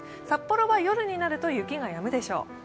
札幌は夜になると雪がやむでしょう。